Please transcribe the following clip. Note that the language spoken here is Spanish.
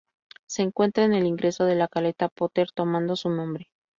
Se encuentra en el ingreso de la caleta Potter, tomando su nombre.